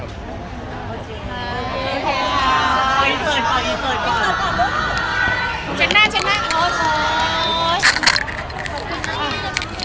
ขอบคุณนี่